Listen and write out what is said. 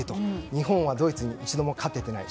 日本はドイツに一度も勝てていない。